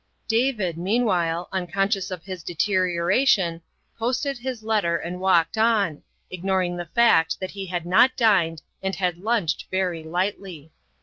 David, meanwhile, unconscious of his deterioration, posted his letter and walked on, ignoring the fact that he had not dined and had lunched very lightly.